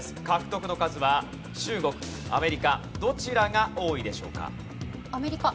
獲得の数は中国アメリカどちらが多いでしょうか？